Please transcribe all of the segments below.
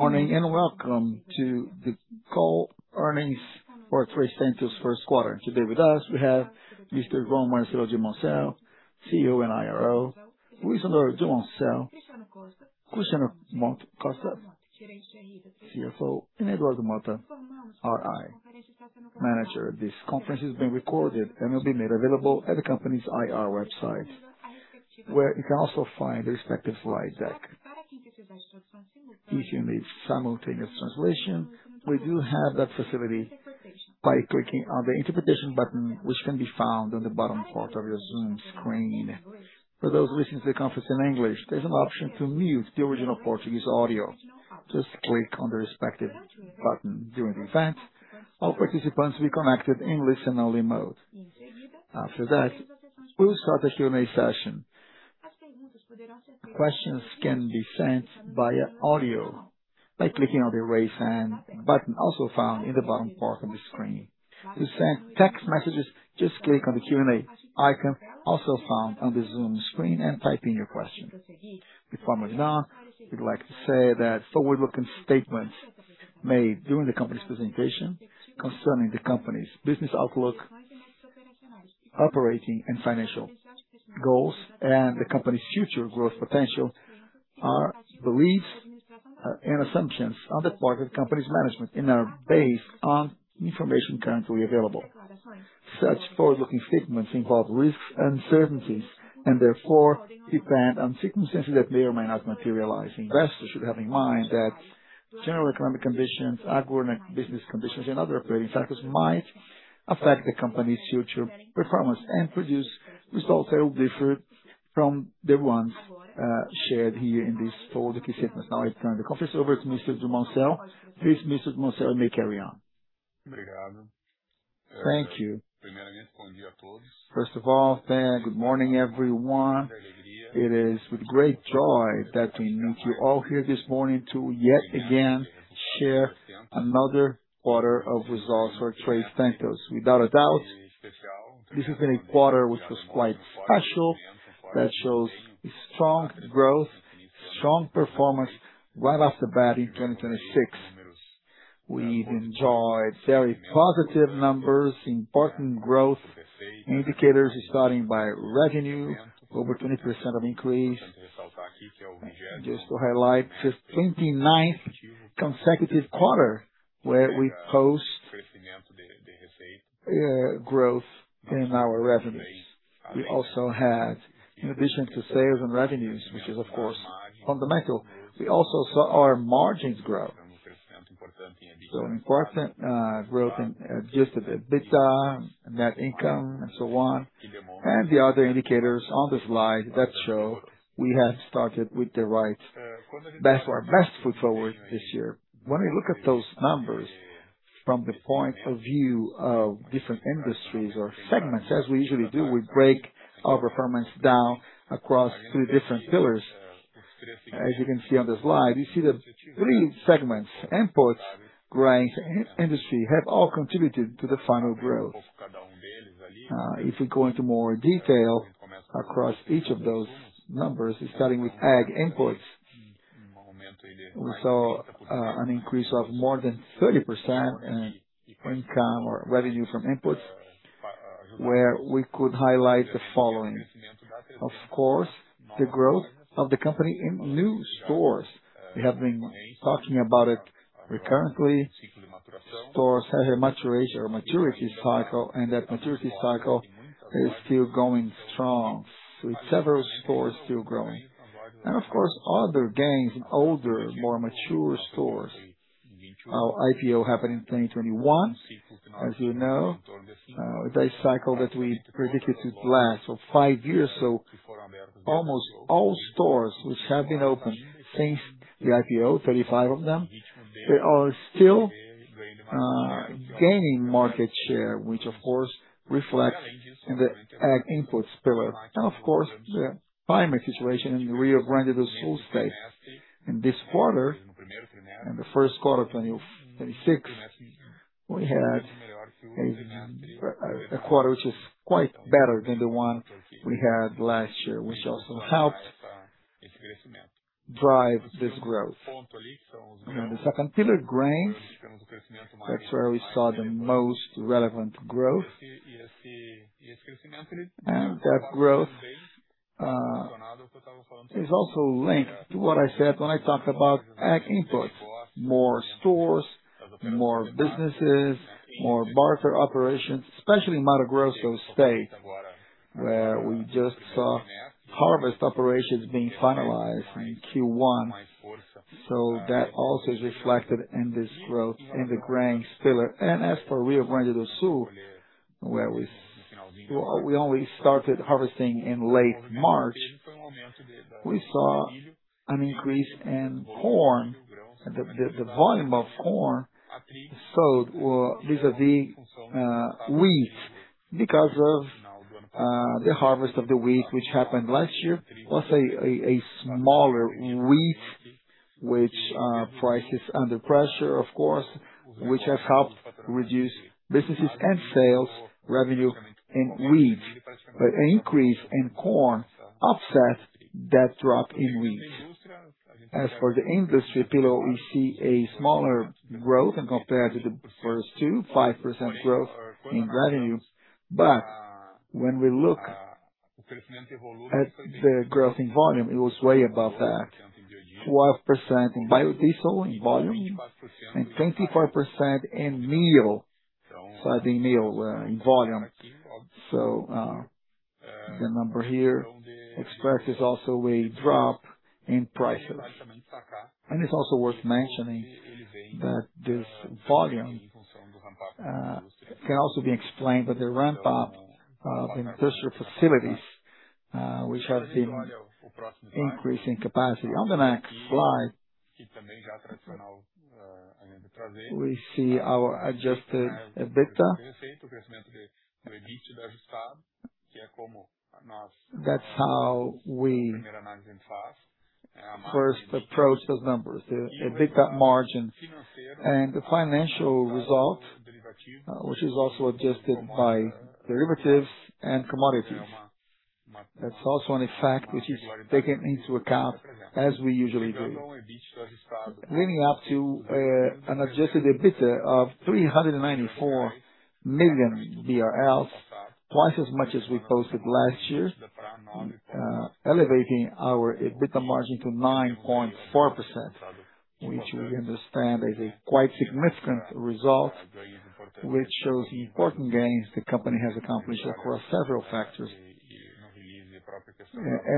Morning, welcome to the call earnings for 3tentos 1st quarter. Today with us we have Mr. João Marcelo Dumoncel, CEO and IRO, Luiz Osório Dumoncel, Cristiano Machado Costa, CFO, and Eduardo Motter, IR Manager. This conference is being recorded and will be made available at the company's IR website, where you can also find the respective slide deck. If you need simultaneous translation, we do have that facility by clicking on the interpretation button, which can be found on the bottom part of your Zoom screen. For those listening to the conference in English, there's an option to mute the original Portuguese audio. Just click on the respective button during the event. All participants will be connected in listen-only mode. After that, we'll start the Q&A session. Questions can be sent via audio by clicking on the Raise Hand button, also found in the bottom part of the screen. To send text messages, just click on the Q&A icon, also found on the Zoom screen, and type in your question. Before moving on, we'd like to say that forward-looking statements made during the company's presentation concerning the company's business outlook, operating and financial goals, and the company's future growth potential are beliefs and assumptions on the part of the company's management and are based on information currently available. Such forward-looking statements involve risks and uncertainties, and therefore depend on circumstances that may or may not materialize. Investors should have in mind that general economic conditions, agribusiness conditions, and other operating factors might affect the company's future performance and produce results that will differ from the ones shared here in these forward-looking statements. Now I turn the conference over to Mr. Dumoncel. Please, Mr. Dumoncel, you may carry on. Thank you. First of all, good morning, everyone. It is with great joy that we meet you all here this morning to yet again share another quarter of results for 3tentos. Without a doubt, this has been a quarter which was quite special that shows strong growth, strong performance right off the bat in 2026. We've enjoyed very positive numbers, important growth indicators starting by revenue, over 20% of increase. Just to highlight, this is the 29th consecutive quarter where we've host growth in our revenues. We also had, in addition to sales and revenues, which is of course fundamental, we also saw our margins grow. An important growth in just the EBITDA, net income, and so on. The other indicators on the slide that show we have started with our best foot forward this year. When we look at those numbers from the point of view of different industries or segments, as we usually do, we break our performance down across three different pillars. As you can see on the slide, you see the three segments, inputs, grains, and industry, have all contributed to the final growth. If we go into more detail across each of those numbers, starting with ag inputs, we saw an increase of more than 30% in income or revenue from inputs, where we could highlight the following. Of course, the growth of the company in new stores. We have been talking about it recurrently. Stores have a maturation or maturity cycle, and that maturity cycle is still going strong, with several stores still growing. Of course, other gains in older, more mature stores. Our IPO happened in 2021, as you know. With a cycle that we predicted to last for five years. Almost all stores which have been open since the IPO, 35 of them, they are still gaining market share, which of course reflects in the ag inputs pillar. Of course, the climate situation in Rio Grande do Sul state in this quarter, in the first quarter of 2026, we had a quarter which is quite better than the one we had last year, which also helped drive this growth. In the second pillar, grains, that's where we saw the most relevant growth. That growth is also linked to what I said when I talked about ag inputs. More stores, more businesses, more barter operations, especially in Mato Grosso state, where we just saw harvest operations being finalized in Q1. That also is reflected in this growth in the grains pillar. As for Rio Grande do Sul, where we only started harvesting in late March. We saw an increase in corn, the volume of corn sold vis-a-vis wheat because of the harvest of the wheat which happened last year was a smaller wheat, which price is under pressure, of course, which has helped reduce businesses and sales revenue in wheat. Increase in corn offset that drop in wheat. As for the industry pillar, we see a smaller growth in compared to the first two, 5% growth in revenue. When we look at the growth in volume, it was way above that. 12% in biodiesel in volume and 24% in meal, soybean meal, in volume. The number here expresses also a drop in prices. It's also worth mentioning that this volume can also be explained by the ramp up of industrial facilities, which have been increasing capacity. On the next slide, we see our adjusted EBITDA. That's how we first approach those numbers, the EBITDA margin. The financial result, which is also adjusted by derivatives and commodities. That's also an effect which is taken into account as we usually do. Leading up to an adjusted EBITDA of 394 million BRL, twice as much as we posted last year, elevating our EBITDA margin to 9.4%, which we understand is a quite significant result, which shows the important gains the company has accomplished across several factors.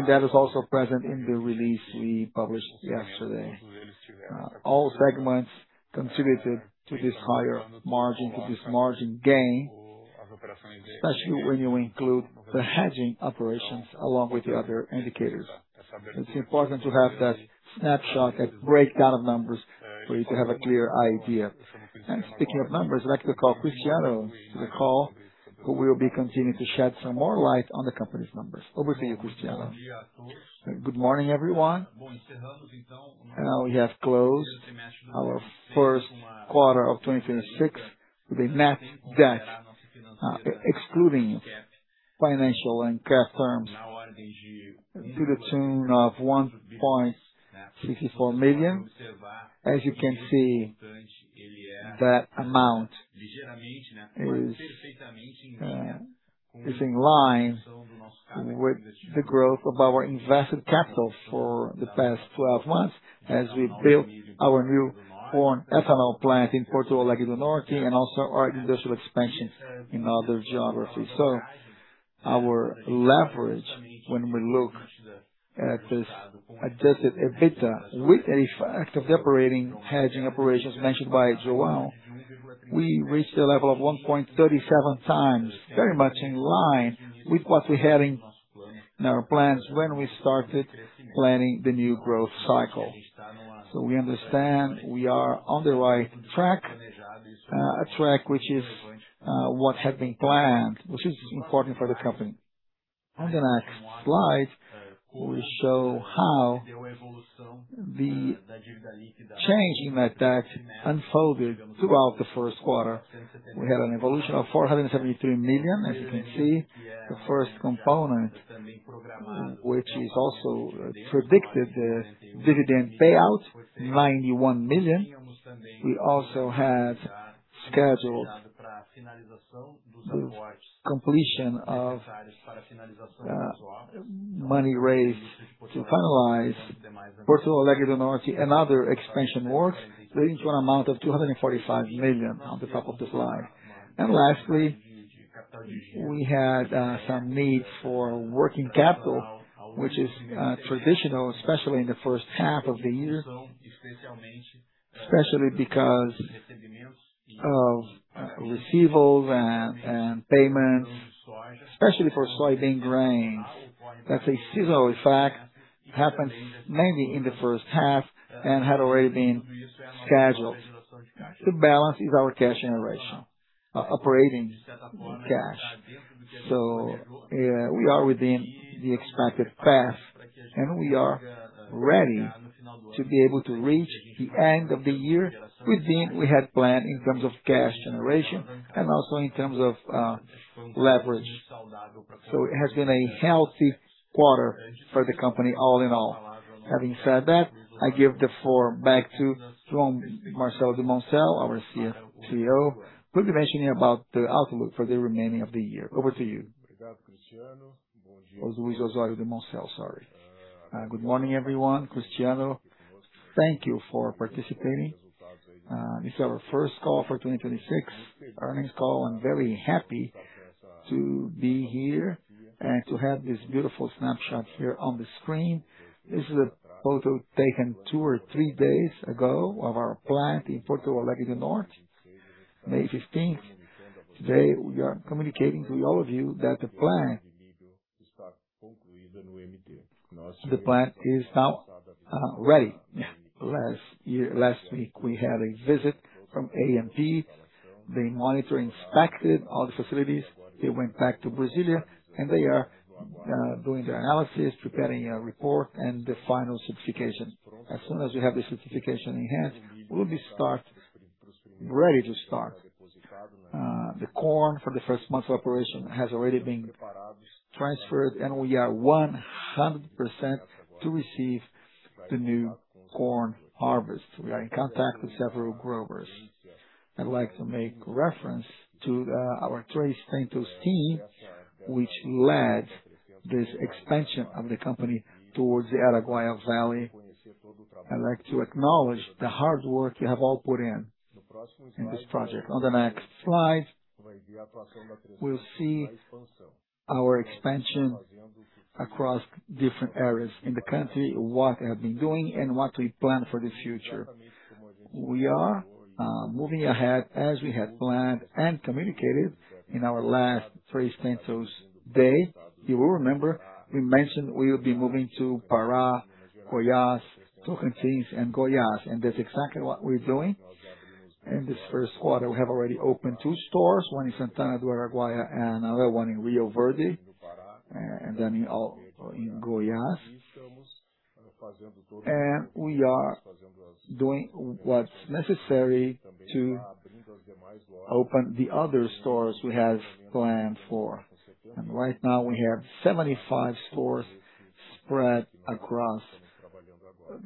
That is also present in the release we published yesterday. All segments contributed to this higher margin, to this margin gain, especially when you include the hedging operations along with the other indicators. It's important to have that snapshot, that breakdown of numbers for you to have a clear idea. Speaking of numbers, I'd like to call Cristiano to the call, who will be continuing to shed some more light on the company's numbers. Over to you, Cristiano. Good morning, everyone. Now we have closed our first quarter of 2026 with a net debt, excluding financial and cash terms, to the tune of 1.64 million. As you can see, that amount is in line with the growth of our invested capital for the past 12 months as we built our new corn ethanol plant in Porto Alegre do Norte and also our industrial expansion in other geographies. Our leverage when we look at this adjusted EBITDA with the effect of the operating hedging operations mentioned by João, we reached a level of 1.37x, very much in line with what we had in our plans when we started planning the new growth cycle. We understand we are on the right track, a track which is what had been planned, which is important for the company. On the next slide, we show how the change in net debt unfolded throughout the first quarter. We had an evolution of 473 million, as you can see. The first component, which is also predicted the dividend payout, 91 million. We also had scheduled the completion of money raised to finalize Porto Alegre do Norte and other expansion works, leading to an amount of 245 million on the top of the slide. Lastly, we had some need for working capital, which is traditional, especially in the first half of the year. Especially because of receivables and payments, especially for soybean grains. That's a seasonal effect, happens mainly in the first half and had already been scheduled. To balance is our cash generation, operating cash. We are within the expected path, and we are ready to be able to reach the end of the year within we had planned in terms of cash generation and also in terms of leverage. It has been a healthy quarter for the company all in all. Having said that, I give the floor back to João Marcelo Dumoncel, our CEO, who'll be mentioning about the outlook for the remaining of the year. Over to you. Luiz Osório Dumoncel, sorry. Good morning, everyone. Cristiano, thank you for participating. This is our first call for 2026, earnings call. I'm very happy to be here and to have this beautiful snapshot here on the screen. This is a photo taken two or three days ago of our plant in Porto Alegre do Norte, May 15th. Today, we are communicating to all of you that the plant is now ready. Last week, we had a visit from ANP. They monitor, inspected all the facilities. They went back to Brasilia, they are doing the analysis, preparing a report and the final certification. As soon as we have the certification in hand, we'll be ready to start. The corn for the first month of operation has already been transferred. We are 100% to receive the new corn harvest. We are in contact with several growers. I'd like to make reference to our 3tentos team, which led this expansion of the company towards the Araguaia Valley. I'd like to acknowledge the hard work you have all put in this project. On the next slide, we'll see our expansion across different areas in the country, what we have been doing and what we plan for the future. We are moving ahead as we had planned and communicated in our last 3tentos Day. You will remember, we mentioned we'll be moving to Pará, Goiás, Tocantins and Goiás. That's exactly what we're doing. In this 1st quarter, we have already opened two stores, one in Santana do Araguaia and another one in Rio Verde, in Goiás. We are doing what's necessary to open the other stores we have planned for. Right now we have 75 stores spread across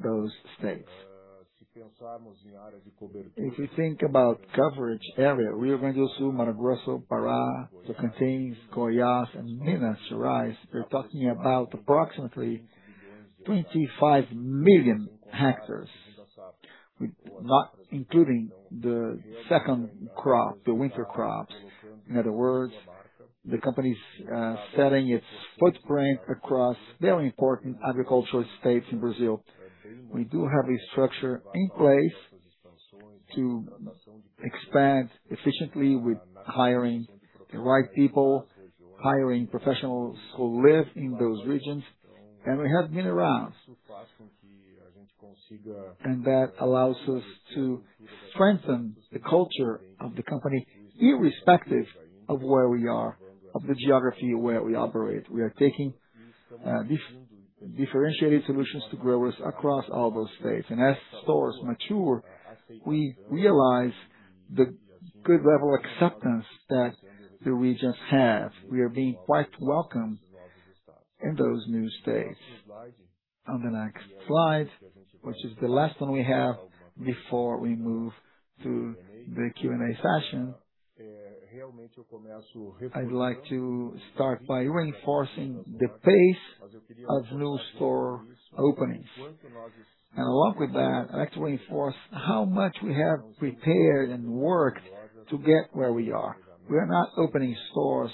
those states. If you think about coverage area, Rio Grande do Sul, Mato Grosso, Pará, Tocantins, Goiás and Minas Gerais, we're talking about approximately 25 million hectares, not including the second crop, the winter crops. In other words, the company's setting its footprint across very important agricultural states in Brazil. We do have a structure in place to expand efficiently with hiring the right people, hiring professionals who live in those regions, and we have been around. That allows us to strengthen the culture of the company, irrespective of where we are, of the geography where we operate. We are taking differentiated solutions to growers across all those states. As stores mature, we realize the good level of acceptance that the regions have. We are being quite welcomed in those new states. On the next slide, which is the last one we have before we move to the Q&A session, I'd like to start by reinforcing the pace of new store openings. Along with that, I'd like to reinforce how much we have prepared and worked to get where we are. We are not opening stores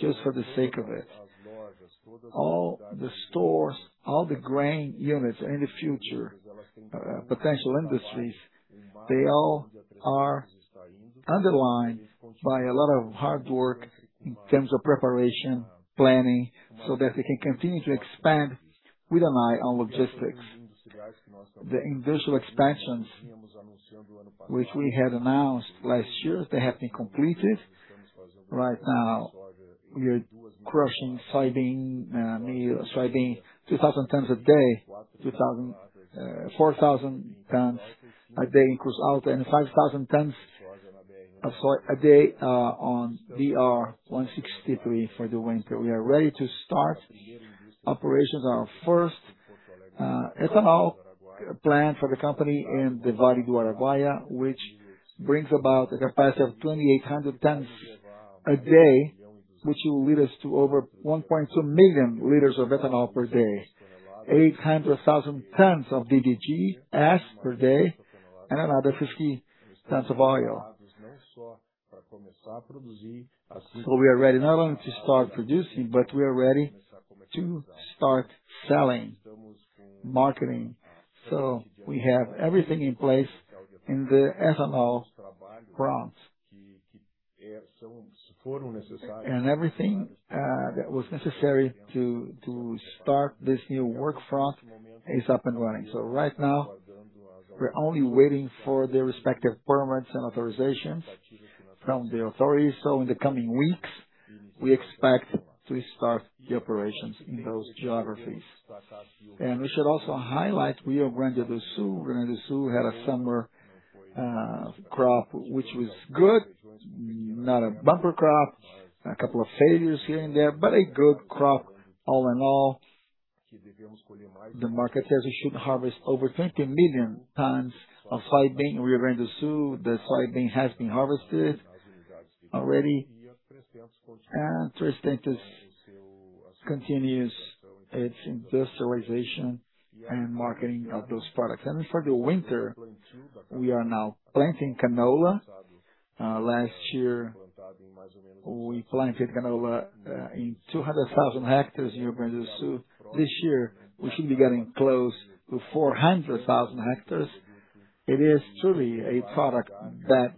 just for the sake of it. All the stores, all the grain units and the future, potential industries, they all are underlined by a lot of hard work in terms of preparation, planning, so that they can continue to expand with an eye on logistics. The industrial expansions which we had announced last year, they have been completed. Right now, we are crushing soybean meal, soybean, 2,000 tons a day, 4,000 tons a day in Cruz Alta, and 5,000 tons of soy a day on BR-163 for the winter. We are ready to start operations on our first ethanol plant for the company in the Vale do Araguaia, which brings about a capacity of 2,800 tons a day, which will lead us to over 1.2 million liters of ethanol per day, 800,000 tons of DDGS per day, and another 50 tons of oil. We are ready not only to start producing, but we are ready to start selling, marketing. We have everything in place in the ethanol front. Everything that was necessary to start this new work front is up and running. Right now, we're only waiting for the respective permits and authorizations from the authorities. In the coming weeks, we expect to start the operations in those geographies. We should also highlight Rio Grande do Sul. Rio Grande do Sul had a summer crop which was good, not a bumper crop, a couple of failures here and there, but a good crop all in all. The market says it should harvest over 20 million tons of soybean in Rio Grande do Sul. The soybean has been harvested already. 3tentos continues its industrialization and marketing of those products. For the winter, we are now planting canola. Last year, we planted canola in 200,000 hectares in Rio Grande do Sul. This year, we should be getting close to 400,000 hectares. It is truly a product that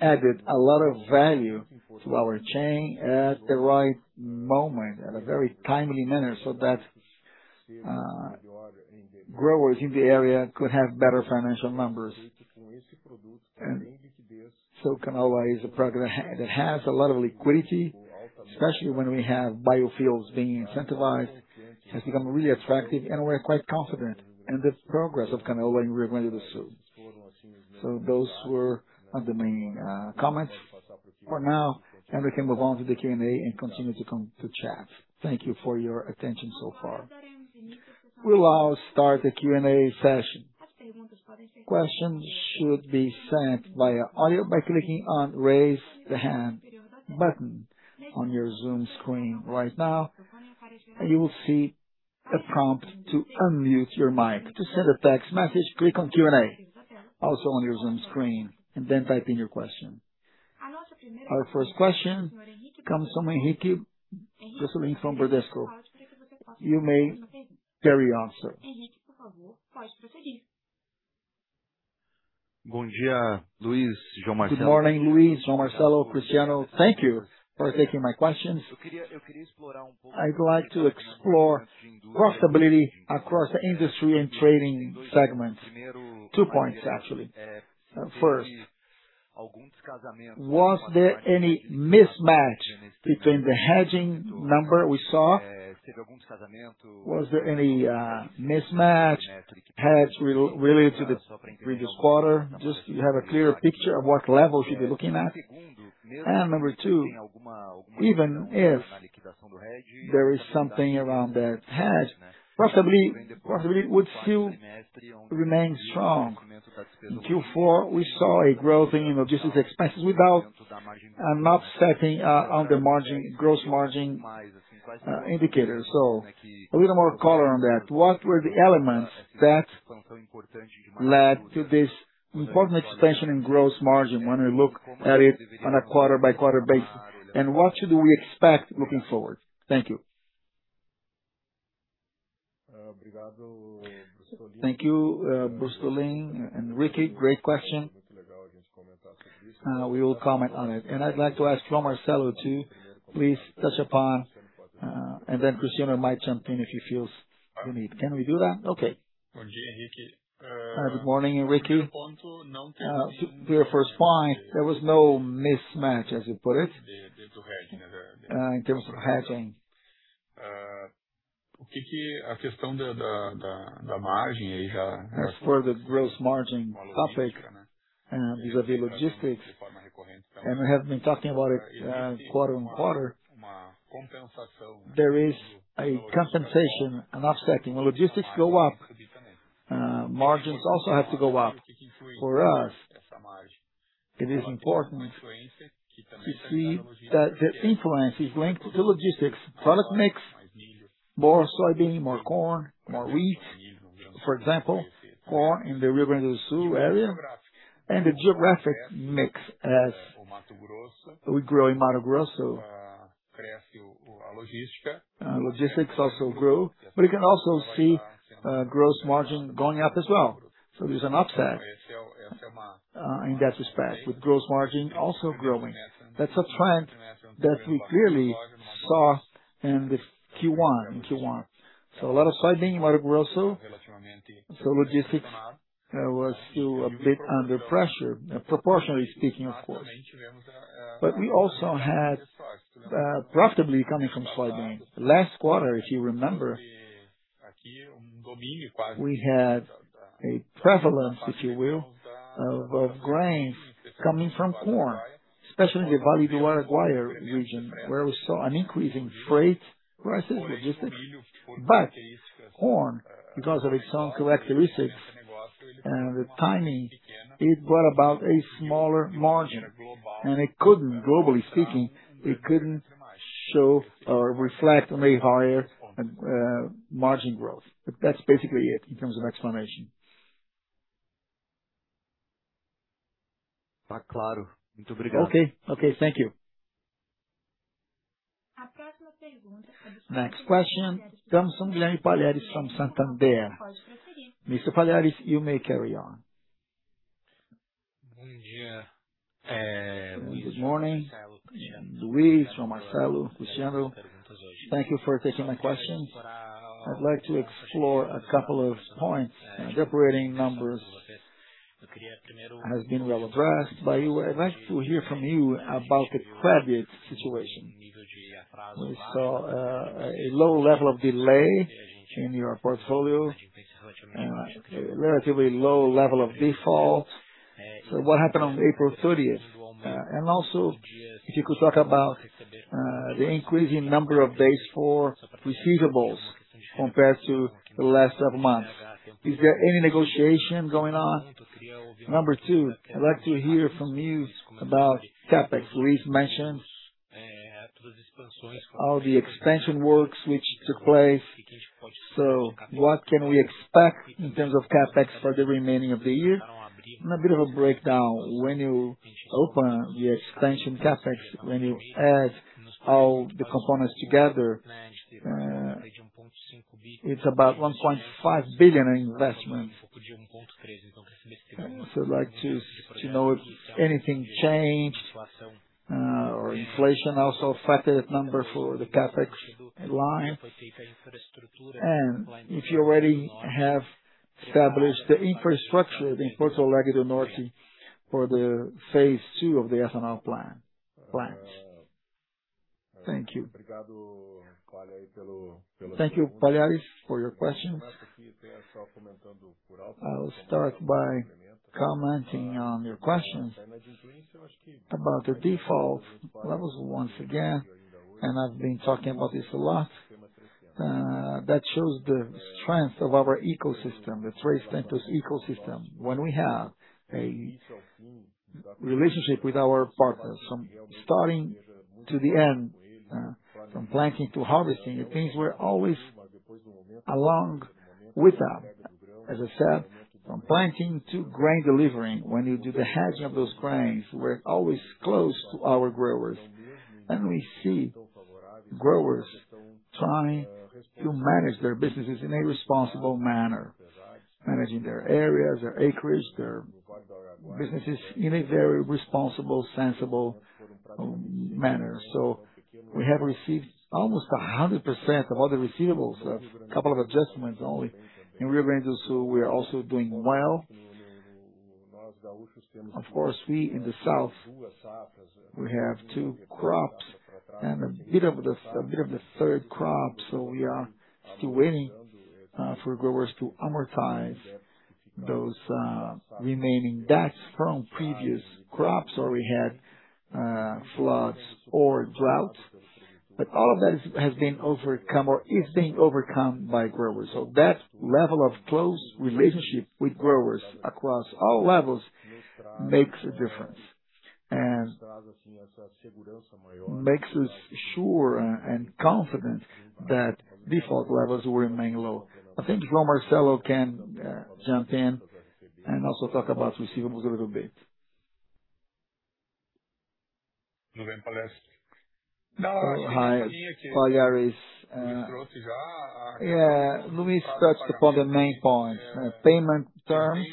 added a lot of value to our chain at the right moment, at a very timely manner, so that growers in the area could have better financial numbers. Canola is a product that has a lot of liquidity. Especially when we have biofuels being incentivized, it has become really attractive and we're quite confident in the progress of canola in Rio Grande do Sul. Those were the main comments for now, and we can move on to the Q&A and continue to chat. Thank you for your attention so far. We'll now start the Q&A session. Questions should be sent via audio by clicking on Raise the Hand button on your Zoom screen right now. You will see a prompt to unmute your mic. To send a text message, click on Q&A, also on your Zoom screen, and then type in your question. Our first question comes from Henrique Brustolin from Bradesco. You may carry on, sir. Good morning, Luiz, João Marcelo, Cristiano. Thank you for taking my questions. I'd like to explore profitability across industry and trading segments. Two points, actually. First, was there any mismatch between the hedging number we saw? Was there any mismatch hedge re-related to the previous quarter? Just you have a clearer picture of what level should be looking at. Number two, even if there is something around that hedge, possibly would still remain strong. In Q4, we saw a growth in logistics expenses without not setting on the gross margin indicator. A little more color on that. What were the elements that led to this important expansion in gross margin when we look at it on a quarter-by-quarter basis? What should we expect looking forward? Thank you. Thank you, Brustolin. Henrique great question. We will comment on it. I'd like to ask João Marcelo to please touch upon, then Cristiano might jump in if he feels the need. Can we do that? Okay. Good morning, Henrique. To your first point, there was no mismatch, as you put it, in terms of hedging. As for the gross margin topic, vis-à-vis logistics, and we have been talking about it, quarter-on-quarter, there is a compensation, an offsetting. When logistics go up, margins also have to go up. For us, it is important to see that the influence is linked to logistics, product mix, more soybean, more corn, more wheat. For example, corn in the Rio Grande do Sul area and the geographic mix as we grow in Mato Grosso. Logistics also grow, but you can also see, gross margin going up as well. There's an upset in that respect, with gross margin also growing. That's a trend that we clearly saw in the Q1. A lot of soybean in Mato Grosso, logistics was still a bit under pressure, proportionally speaking, of course. We also had profitability coming from soybean. Last quarter, if you remember, we had a prevalence, if you will, of grains coming from corn. Especially in the Vale do Araguaia region, where we saw an increase in freight prices, logistics. Corn, because of its own characteristics and the timing, it brought about a smaller margin, and it couldn't, globally speaking, show or reflect on a higher margin growth. That's basically it in terms of explanation. Okay. Okay, thank you. Next question comes from Guilherme Palhares from Santander. Mr. Palhares, you may carry on. Good morning, Luiz, João Marcelo, Cristiano. Thank you for taking my questions. I'd like to explore a couple of points. Separating numbers has been well addressed, I'd like to hear from you about the credit situation. We saw a low level of delay in your portfolio, a relatively low level of default. What happened on April 30th? Also, if you could talk about the increasing number of base for receivables compared to the last several months. Is there any negotiation going on? Number two, I'd like to hear from you about CapEx. Luiz mentioned all the expansion works which took place. What can we expect in terms of CapEx for the remaining of the year? A bit of a breakdown when you open the expansion CapEx, when you add all the components together, it's about 1.5 billion in investment. I'd like to know if anything changed or inflation also affected number for the CapEx line. If you already have established the infrastructure in Porto Alegre do Norte for the phase II of the ethanol plant. Thank you. Thank you, Palhares, for your question. I'll start by commenting on your questions about the default levels once again, and I've been talking about this a lot, that shows the strength of our ecosystem, the 3tentos ecosystem. When we have a relationship with our partners from starting to the end, from planting to harvesting, things were always along with that. As I said, from planting to grain delivering, when you do the hedging of those grains, we're always close to our growers. We see growers trying to manage their businesses in a responsible manner, managing their areas, their acreage, their businesses in a very responsible, sensible manner. We have received almost 100% of all the receivables, a couple of adjustments only. In Rio Grande do Sul, we are also doing well. Of course, we in the South, we have two crops and a bit of the third crop, we are still waiting for growers to amortize those remaining debts from previous crops, we had floods or droughts. All of that has been overcome or is being overcome by growers. That level of close relationship with growers across all levels makes a difference and makes us sure and confident that default levels will remain low. I think João Marcelo can jump in and also talk about receivables a little bit. Hi, Palhares. Yeah, Luiz touched upon the main point, payment terms.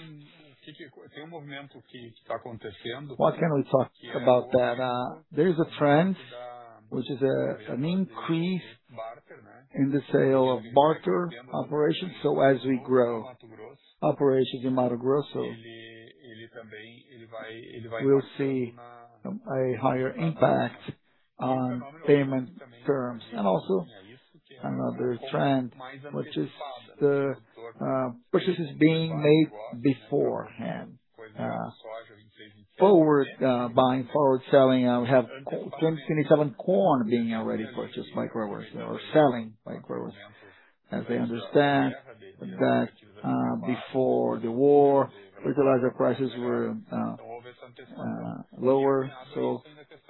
What can we talk about that? There's a trend, which is an increase in the sale of barter operations. As we grow operations in Mato Grosso, we'll see a higher impact on payment terms. Also another trend, which is the purchases being made beforehand, forward buying forward selling. I have [2077] corn being already purchased by growers or selling by growers. As they understand that, before the war, fertilizer prices were lower.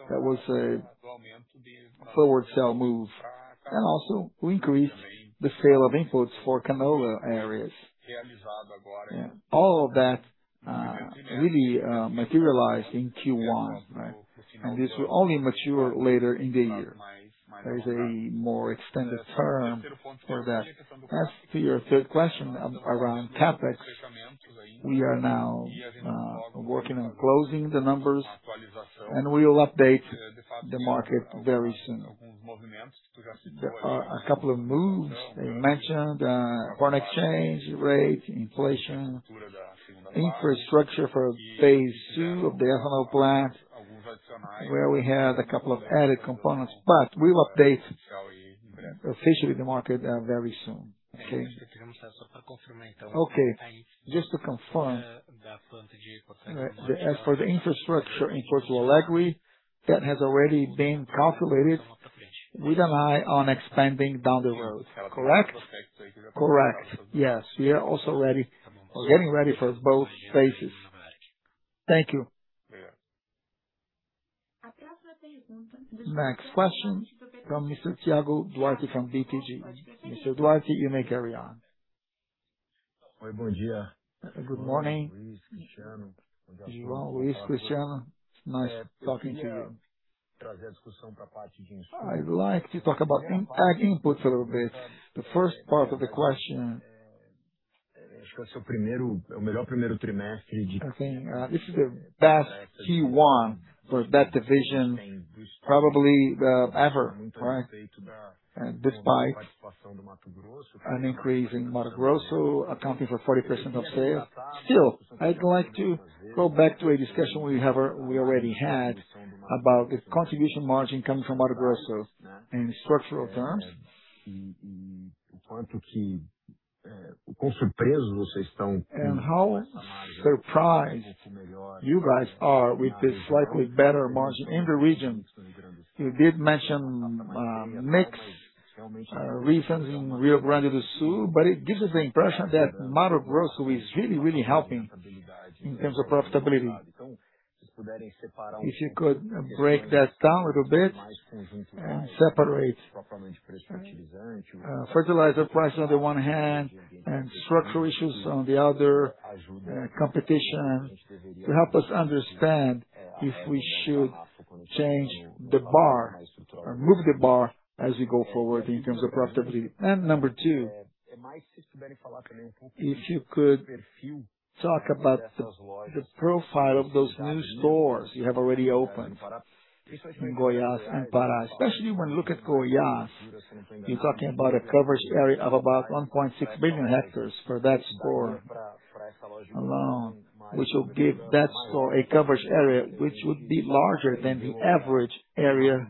That was a forward sell move. We increased the sale of inputs for canola areas. All of that really materialized in Q1, right? This will only mature later in the year. There is a more extended term for that. Your third question around CapEx, we are now working on closing the numbers, and we will update the market very soon. There are a couple of moves they mentioned, foreign exchange rate, inflation, infrastructure for phase II of the ethanol plant, where we had a couple of added components, but we'll update officially the market very soon. Okay. Okay. Just to confirm, as for the infrastructure in Porto Alegre, that has already been calculated with an eye on expanding down the road. Correct? Correct. Yes. We are also ready or getting ready for both phases. Thank you. Next question from Mr. Thiago Duarte from BTG. Mr. Duarte, you may carry on. Good morning, João, Luiz, Cristiano. Nice talking to you. I'd like to talk about Ag inputs a little bit. The first part of the question, I think, this is the best Q1 for that division probably ever, right? Despite an increase in Mato Grosso accounting for 40% of sales. I'd like to go back to a discussion we already had about the contribution margin coming from Mato Grosso in structural terms. How surprised you guys are with the slightly better margin in the region. You did mention mix reasons in Rio Grande do Sul, it gives us the impression that Mato Grosso is really, really helping in terms of profitability. If you could break that down a little bit and separate, fertilizer prices on the one hand and structural issues on the other, competition, to help us understand if we should change the bar or move the bar as we go forward in terms of profitability. Number two, if you could talk about the profile of those new stores you have already opened in Goiás and Pará, especially when you look at Goiás. You're talking about a coverage area of about 1.6 billion hectares for that store alone, which will give that store a coverage area which would be larger than the average area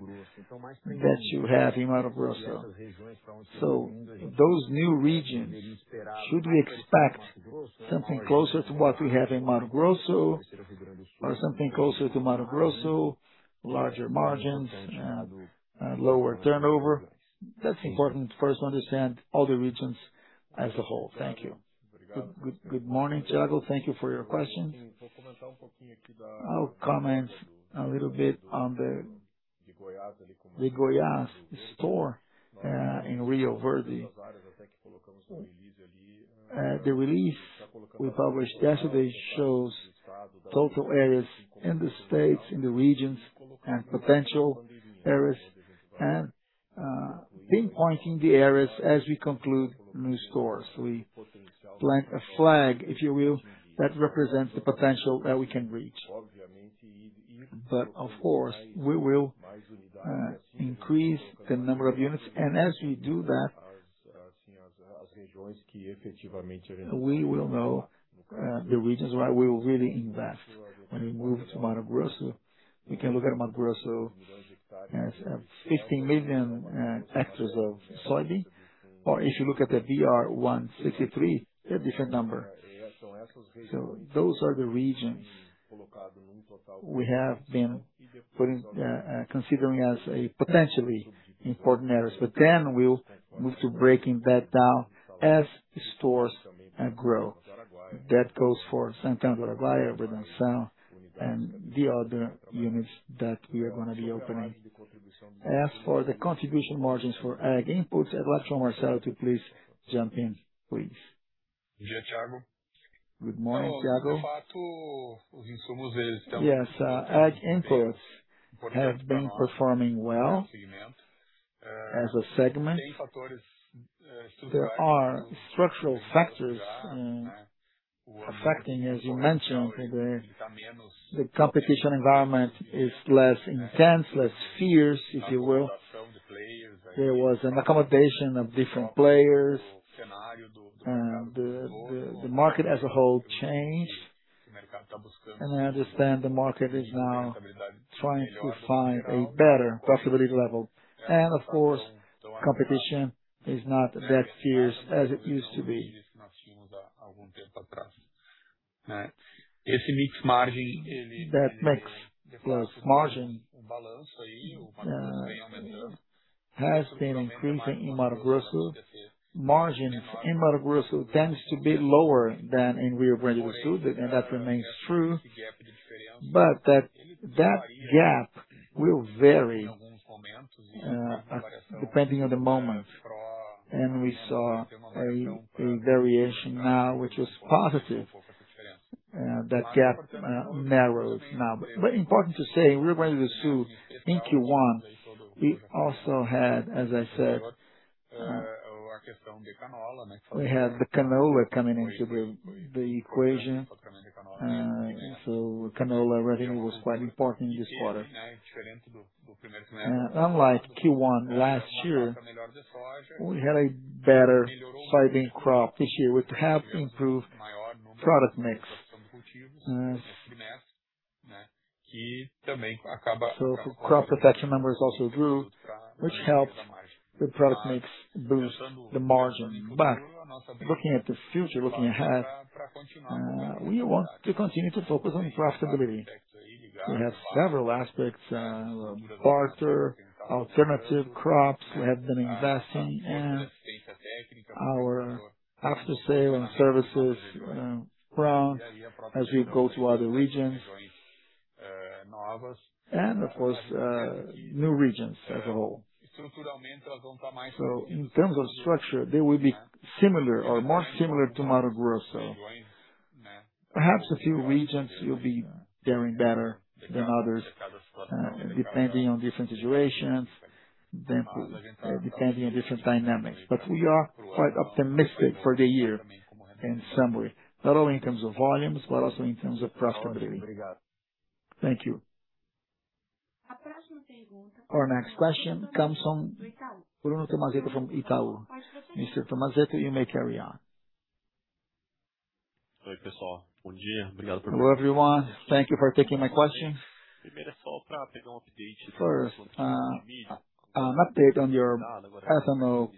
that you have in Mato Grosso. Those new regions, should we expect something closer to what we have in Mato Grosso or something closer to Mato Grosso, larger margins and, lower turnover? That's important for us to understand all the regions as a whole. Thank you. Good morning, Thiago. Thank you for your question. I'll comment a little bit on the Goiás store in Rio Verde. The release we published yesterday shows total areas in the states, in the regions and potential areas and pinpointing the areas as we conclude new stores. We plant a flag, if you will, that represents the potential that we can reach. Of course, we will increase the number of units, and as we do that, we will know the regions where we will really invest. When we move to Mato Grosso, we can look at Mato Grosso as 15 million hectares of soybean. If you look at the BR-163, a different number. Those are the regions we have been putting, considering as a potentially important areas. We'll move to breaking that down as stores grow. That goes for Santana do Araguaia, Brasília and the other units that we are going to be opening. As for the contribution margins for ag inputs, I'd like to ask Marcelo to please jump in, please. Good morning, Thiago. Yes, Ag inputs have been performing well as a segment. There are structural factors affecting, as you mentioned, the competition environment is less intense, less fierce, if you will. There was an accommodation of different players, and the market as a whole changed. I understand the market is now trying to find a better profitability level. Of course, competition is not that fierce as it used to be. That mix plus margin has been increasing in Mato Grosso. Margins in Mato Grosso tends to be lower than in Rio Grande do Sul, and that remains true. That, that gap will vary depending on the moment. We saw a variation now, which is positive. That gap narrowed now. Important to say, Rio Grande do Sul in Q1, we also had, as I said, we had the canola coming into the equation. Canola revenue was quite important this quarter. Unlike Q1 last year, we had a better soybean crop this year, which helped improve product mix. Crop protection numbers also grew, which helped the product mix boost the margin. Looking at the future, looking ahead, we want to continue to focus on profitability. We have several aspects, barter, alternative crops we have been investing and our after sale and services, ground as we go to other regions. Of course, new regions as a whole. In terms of structure, they will be similar or more similar to Mato Grosso. Perhaps a few regions will be doing better than others, depending on different situations, depending on different dynamics. We are quite optimistic for the year in summary, not only in terms of volumes, but also in terms of profitability. Thank you. Our next question comes from Bruno Tomazetto from Itaú. Mr. Tomazetto, you may carry on. Hello, everyone. Thank you for taking my question. First, update on your ethanol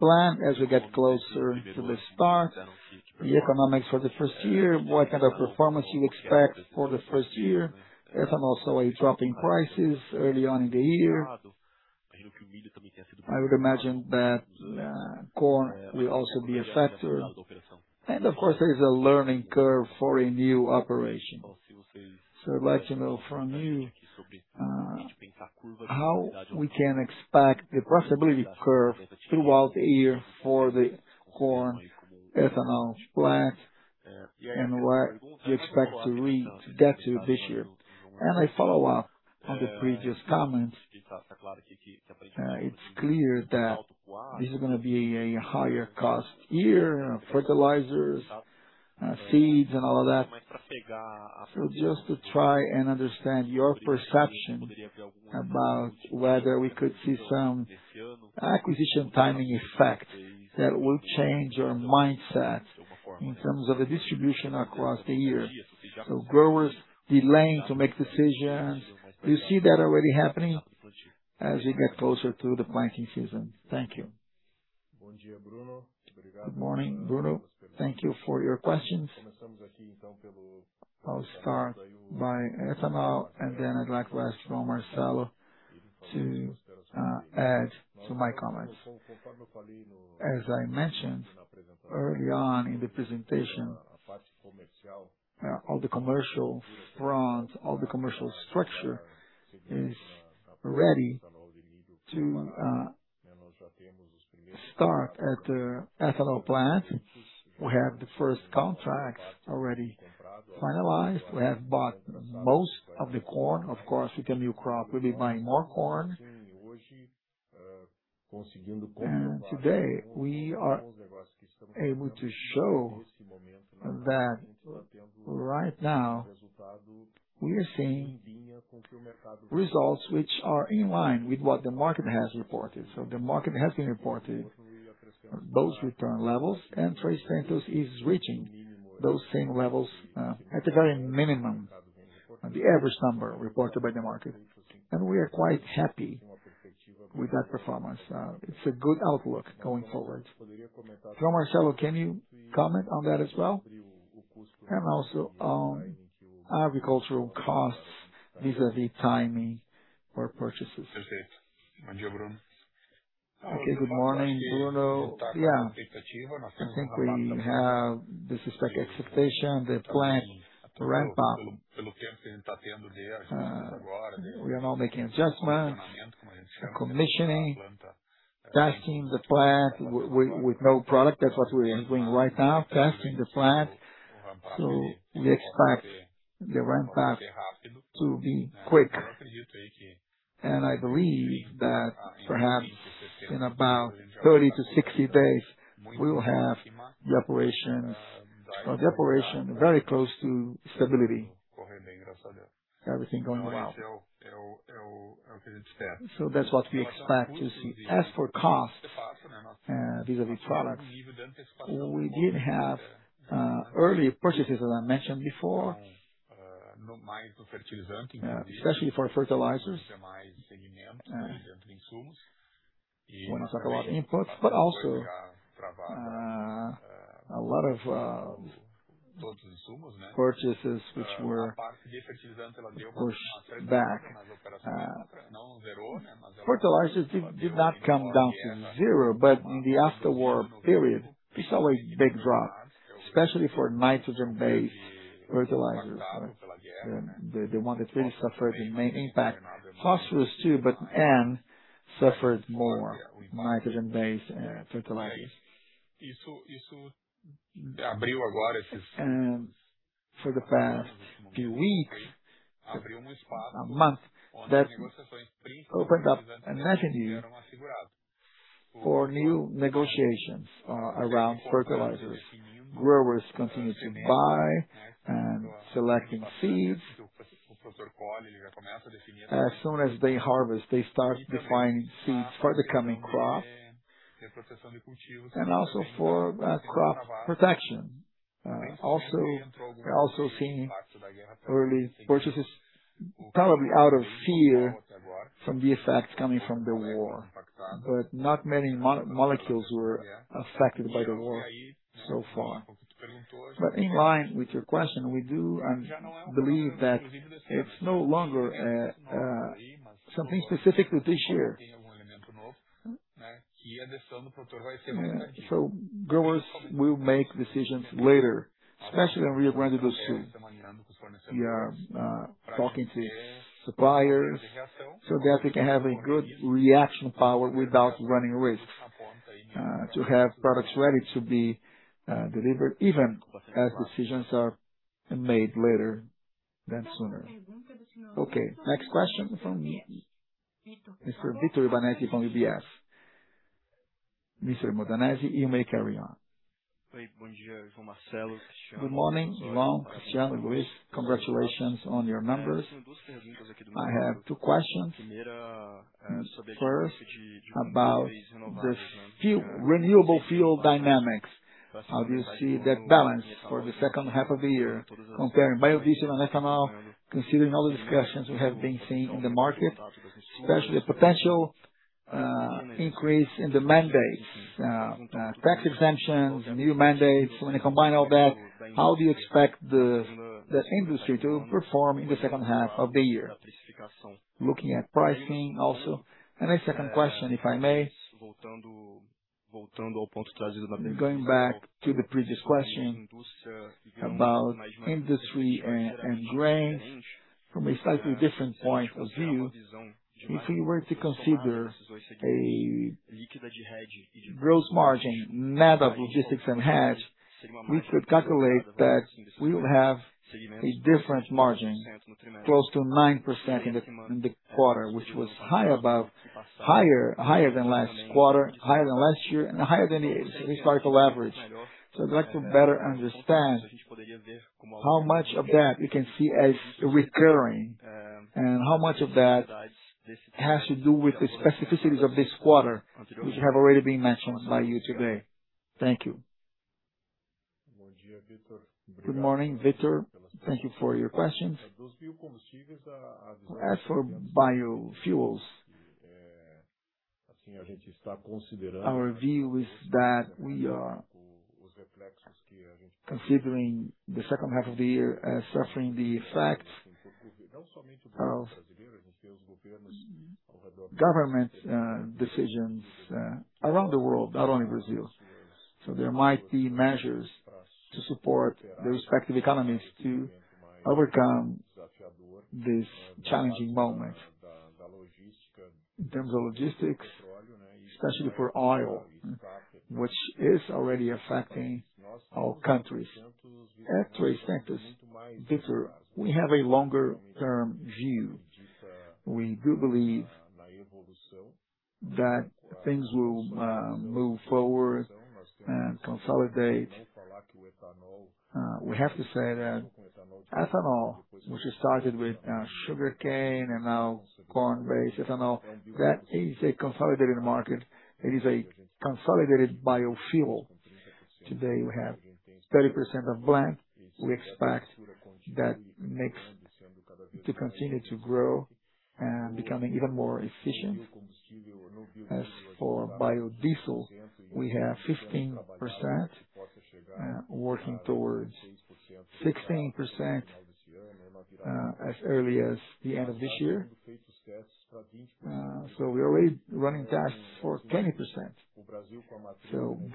plant as we get closer to the start, the economics for the first year, what kind of performance you expect for the first year? There's also a drop in prices early on in the year. I would imagine that corn will also be a factor. Of course, there is a learning curve for a new operation. I'd like to know from you how we can expect the profitability curve throughout the year for the corn ethanol plant and where you expect to get to this year. A follow-up on the previous comments, it's clear that this is gonna be a higher cost year, fertilizers, seeds and all that. Just to try and understand your perception about whether we could see some acquisition timing effect that will change your mindset in terms of a distribution across the year. Growers delaying to make decisions. Do you see that already happening as we get closer to the planting season? Thank you. Good morning, Bruno. Thank you for your questions. I'll start by ethanol, then I'd like to ask João Marcelo to add to my comments. As I mentioned early on in the presentation, all the commercial front, all the commercial structure is ready to start at the ethanol plant. We have the first contracts already finalized. We have bought most of the corn. Of course, with the new crop, we'll be buying more corn. Today, we are able to show that right now we are seeing results which are in line with what the market has reported. The market has been reporting those return levels, and 3tentos is reaching those same levels, at the very minimum, the average number reported by the market. We are quite happy with that performance. It's a good outlook going forward. João Marcelo, can you comment on that as well? Also on agricultural costs vis-à-vis timing for purchases. Okay. Good morning, Bruno. Yeah. I think we have the suspect expectation, the plant ramp-up. We are now making adjustments and commissioning, testing the plant with no product. That's what we are doing right now, testing the plant. We expect the ramp-up to be quick. I believe that perhaps in about 30 to 60 days, we will have the operations, the operation very close to stability. Everything going well. That's what we expect to see. As for cost, vis-à-vis products, we did have, early purchases, as I mentioned before, especially for fertilizers. When we talk about imports, but also, a lot of purchases which were pushed back. Fertilizers did not come down to zero. In the after-war period, we saw a big drop, especially for nitrogen-based fertilizers. The one that really suffered the main impact. Phosphorus, too. N suffered more, nitrogen-based fertilizers. For the past few weeks, a month, that opened up a niche indeed for new negotiations around fertilizers. Growers continue to buy and selecting seeds. As soon as they harvest, they start defining seeds for the coming crop and also for crop protection. We're also seeing early purchases probably out of fear from the effects coming from the war. Not many molecules were affected by the war so far. In line with your question, we do believe that it's no longer something specific to this year. Growers will make decisions later, especially when we have rendered those two. We are talking to suppliers so that we can have a good reaction power without running risks to have products ready to be delivered even as decisions are made later than sooner. Okay, next question from Mr. Victor Benetti from UBS. Mr. Benetti, you may carry on. Good morning, João, Cristiano and Luiz. Congratulations on your numbers. I have two questions. First, about the renewable fuel dynamics. How do you see that balance for the 2nd half of the year comparing biodiesel and ethanol, considering all the discussions we have been seeing in the market, especially a potential increase in the mandates, tax exemptions, new mandates. When you combine all that, how do you expect the industry to perform in the 2nd half of the year? Looking at pricing also. A second question, if I may. Going back to the previous question about industry and grains from a slightly different point of view. If we were to consider a gross margin net of logistics and hedge, we could calculate that we would have a different margin, close to 9% in the quarter, which was Higher than last quarter, higher than last year, and higher than a historical average. I'd like to better understand how much of that we can see as recurring, and how much of that has to do with the specificities of this quarter, which have already been mentioned by you today. Thank you. Good morning, Victor. Thank you for your questions. As for biofuels, our view is that we are considering the second half of the year as suffering the effects of government decisions around the world, not only Brazil. There might be measures to support the respective economies to overcome this challenging moment. In terms of logistics, especially for oil, which is already affecting our countries. Actually, Victor, we have a longer-term view. We do believe that things will move forward and consolidate. We have to say that ethanol, which started with sugarcane and now corn-based ethanol, that is a consolidated market. It is a consolidated biofuel. Today, we have 30% of blend. We expect that mix to continue to grow and becoming even more efficient. As for biodiesel, we have 15%, working towards 16% as early as the end of this year. We're already running tests for 20%.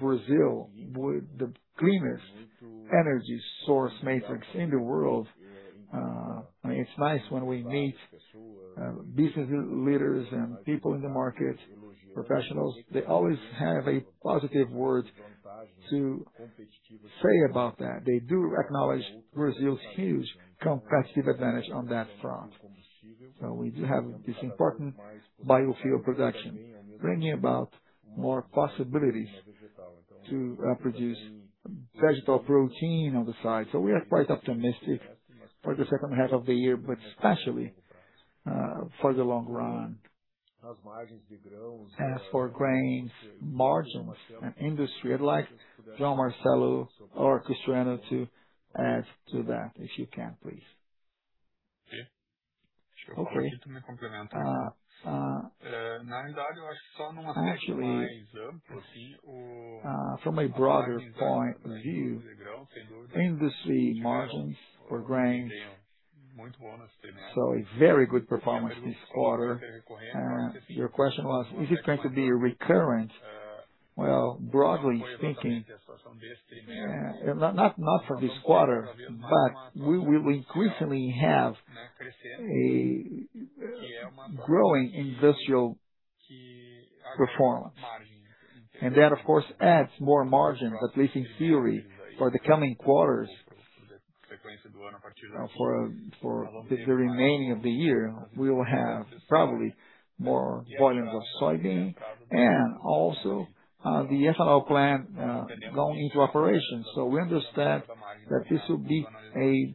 Brazil, with the cleanest energy source matrix in the world, I mean, it's nice when we meet business leaders and people in the market, professionals, they always have a positive word to say about that. They do acknowledge Brazil's huge competitive advantage on that front. We do have this important biofuel production, bringing about more possibilities to produce vegetal protein on the side. We are quite optimistic for the second half of the year, but especially for the long run. As for grains margins and industry, I'd like João Marcelo or Cristiano to add to that, if you can, please. Okay. Actually, from a broader point of view, industry margins for grains saw a very good performance this quarter. Your question was, is it going to be recurrent? Well, broadly speaking, not for this quarter, but we will increasingly have a growing industrial performance. That, of course, adds more margins, at least in theory, for the coming quarters. For the remaining of the year, we will have probably more volumes of soybean and also the ethanol plant going into operation. We understand that this will be a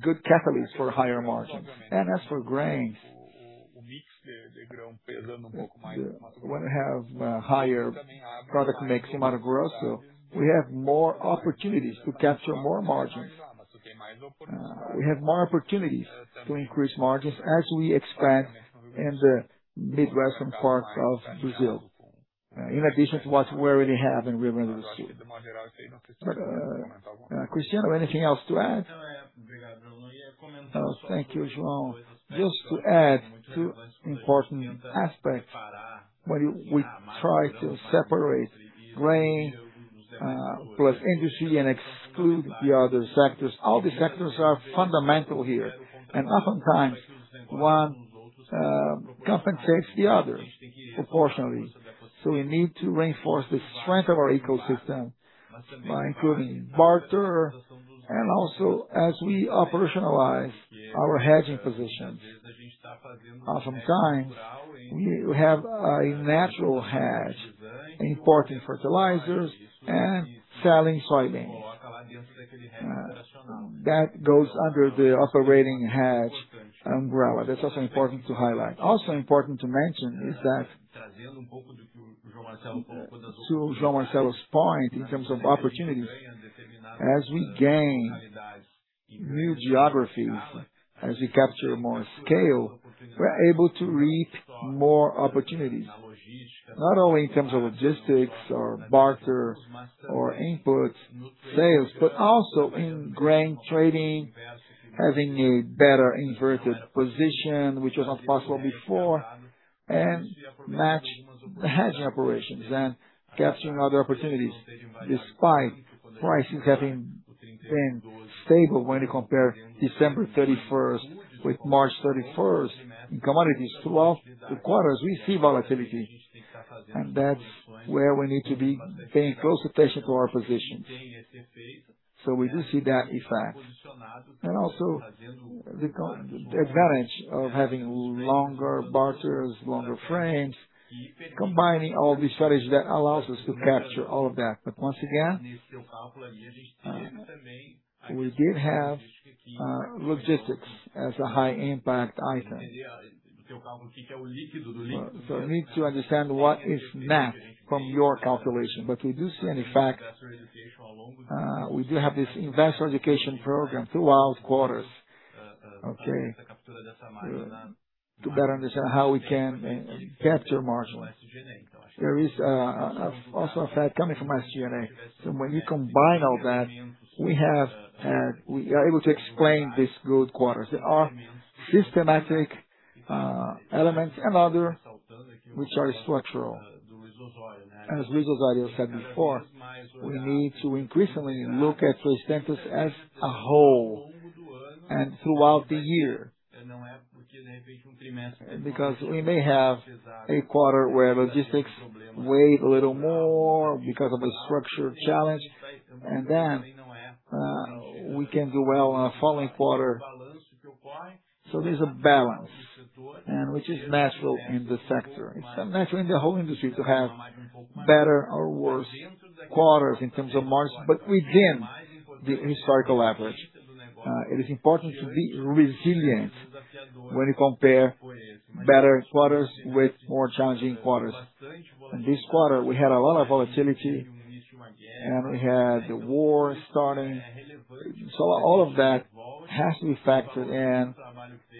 good catalyst for higher margins. As for grains, when we have a higher product mix in Mato Grosso, we have more opportunities to capture more margins. We have more opportunities to increase margins as we expand in the Midwestern part of Brazil, in addition to what we already have in Rio Grande do Sul. Cristiano, anything else to add? Thank you, João. Just to add two important aspects. When we try to separate grain plus industry and exclude the other sectors, all the sectors are fundamental here. Oftentimes, one compensates the other proportionally. We need to reinforce the strength of our ecosystem by including barter and also as we operationalize our hedging positions. Oftentimes, we have a natural hedge, importing fertilizers and selling soybean. That goes under the operating hedge umbrella. That's also important to highlight. Also important to mention is that to João Marcelo's point in terms of opportunities, as we gain new geographies, as we capture more scale, we are able to reap more opportunities, not only in terms of logistics or barter or input sales, but also in grain trading, having a better inverted position, which was not possible before, and match the hedging operations and capturing other opportunities. Despite prices having been stable when you compare December 31st with March 31st in commodities throughout the quarters, we see volatility, and that's where we need to be paying close attention to our positions. We do see that effect. Also the advantage of having longer barters, longer frames, combining all the strategies that allows us to capture all of that. Once again, we did have logistics as a high impact item. We need to understand what is mapped from your calculation. We do see an effect. We do have this investor education program throughout quarters, okay. To better understand how we can capture margin. There is also effect coming from SG&A. When you combine all that, we have, we are able to explain these good quarters. There are systematic elements and other which are structural. As Luiz Osório said before, we need to increasingly look at status as a whole and throughout the year. We may have a quarter where logistics weigh a little more because of a structural challenge, and then we can do well on a following quarter. There's a balance and which is natural in this sector. It's natural in the whole industry to have better or worse quarters in terms of margin, but within the historical average. It is important to be resilient when you compare better quarters with more challenging quarters. This quarter, we had a lot of volatility, and we had the war starting. All of that has to be factored in,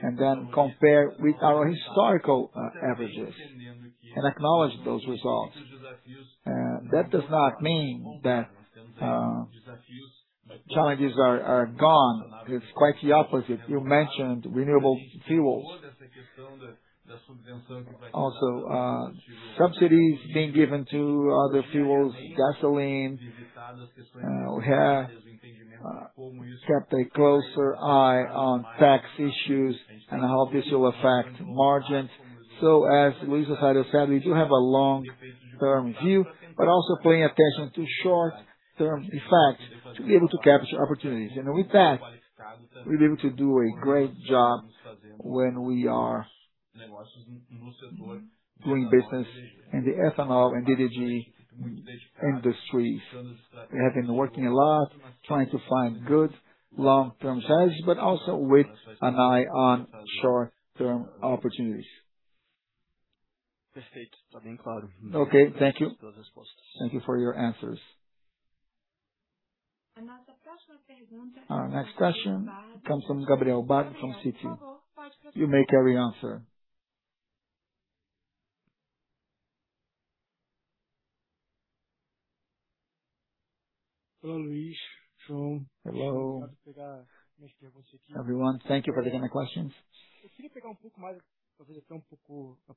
and then compare with our historical averages and acknowledge those results. That does not mean that challenges are gone. It's quite the opposite. You mentioned renewable fuels. Subsidies being given to other fuels, gasoline. We have kept a closer eye on tax issues and how this will affect margins. As Luiz Osório said, we do have a long term view, but also paying attention to short term effects to be able to capture opportunities. With that, we're able to do a great job when we are doing business in the ethanol and DDG industries. We have been working a lot trying to find good long-term strategies, but also with an eye on short-term opportunities. Okay, thank you. Thank you for your answers. Another question. Our next question comes from Gabriel Barra from Citi. You may carry on, sir. Hello, Luiz. João. Hello. Everyone. Thank you for taking my questions.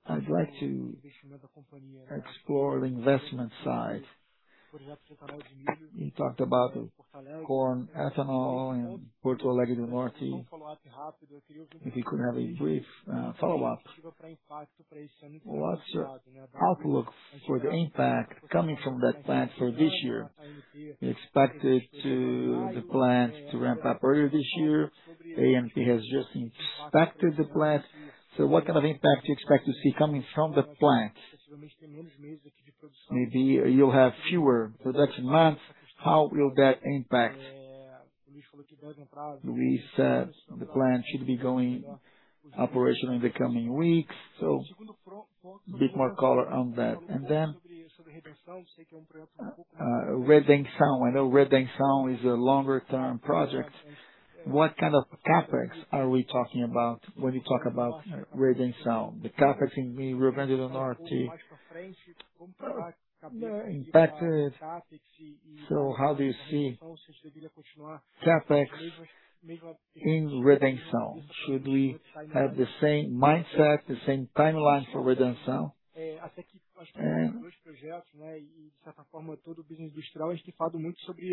I'd like to explore the investment side. You talked about corn ethanol in Porto Alegre do Norte. If you could have a brief, follow-up. What's your outlook for the impact coming from that plant for this year? Expected to the plant to ramp up earlier this year. ANP has just inspected the plant. What kind of impact do you expect to see coming from the plant? Maybe you'll have fewer production months. How will that impact? Luiz said the plant should be going operational in the coming weeks, so a bit more color on that. Redenção. I know Redenção is a longer term project. What kind of CapEx are we talking about when you talk about Redenção? The CapEx in Porto Alegre do Norte, impacted. How do you see CapEx in Redenção? Should we have the same mindset, the same timeline for Redenção?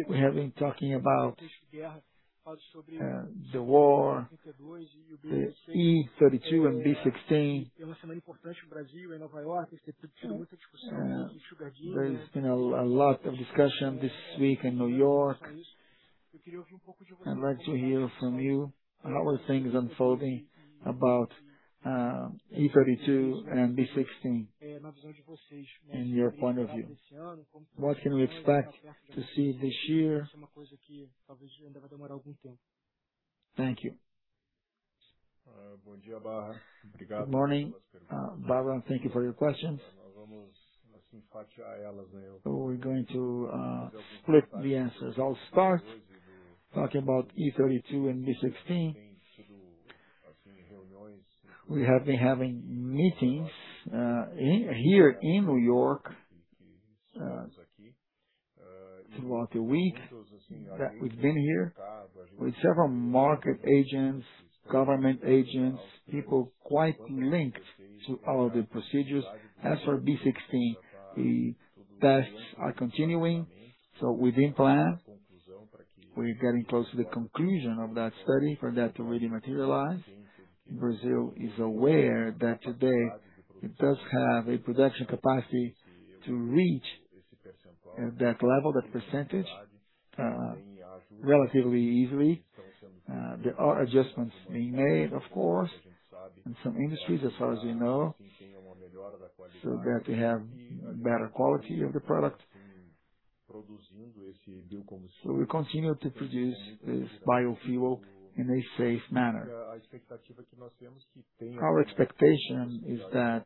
We have been talking about, the war, E32 and B16. There's been a lot of discussion this week in New York. I'd like to hear from you, how are things unfolding about E32 and B16, in your point of view. What can we expect to see this year? Thank you. Good morning, Barra, and thank you for your questions. We're going to split the answers. I'll start talking about E32 and B16. We have been having meetings here in New York throughout the week that we've been here with several market agents, government agents, people quite linked to all of the procedures. As for B16, the tests are continuing. Within plan, we're getting close to the conclusion of that study for that to really materialize. Brazil is aware that today it does have a production capacity to reach that level, that percentage relatively easily. There are adjustments being made, of course, in some industries, as far as we know, so that we have better quality of the product. We continue to produce this biofuel in a safe manner. Our expectation is that